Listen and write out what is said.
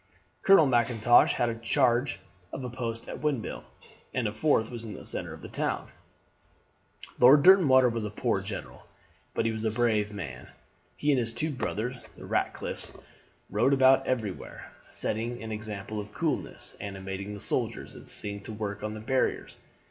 Colonel Mackintosh had charge of a post at a windmill; and the fourth was in the centre of the town. "Lord Derwentwater was a poor general, but he was a brave man. He and his two brothers, the Ratcliffs, rode about everywhere, setting an example of coolness, animating the soldiers, and seeing to the work on the barriers.